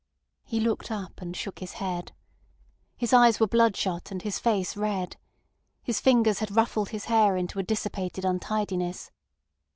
He looked up, and shook his head. His eyes were bloodshot and his face red. His fingers had ruffled his hair into a dissipated untidiness.